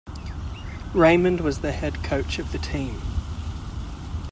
Raymond was the head coach of the team.